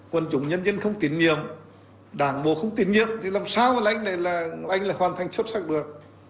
quân chủng nhân dân không tín nhiệm đảng bộ không tín nhiệm thì làm sao anh là hoàn thành xuất sắc được